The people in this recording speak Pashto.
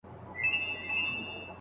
ماهر به ساعت معاينه کړی وي.